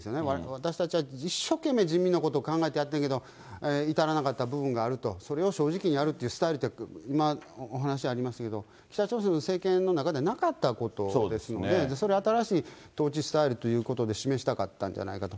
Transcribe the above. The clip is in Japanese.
私たちは一生懸命、人民のことを考えてやってるけど、至らなかった部分があると、それを正直にやるってスタイル、今、お話ありましたけど、北朝鮮の政権の中でなかったことですので、それを新しい統治スタイルということで、示したかったんじゃないかと。